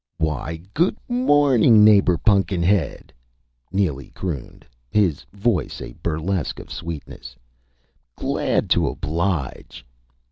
"Why, good morning, Neighbor Pun'kin head!" Neely crooned, his voice a burlesque of sweetness. "Glad to oblige!"